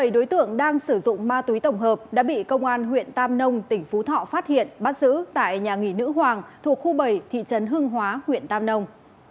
bảy đối tượng đang sử dụng ma túy tổng hợp đã bị công an huyện tam nông tỉnh phú thọ phát hiện bắt giữ tại nhà nghỉ nữ hoàng thuộc khu bảy thị trấn hương hóa huyện tam nông